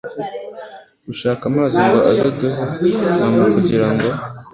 gushaka amazi ngo aze duhe mama kugira ngo